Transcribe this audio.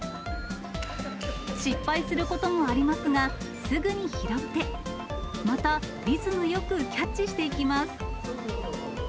失敗することもありますが、すぐに拾って、また、リズムよくキャッチしていきます。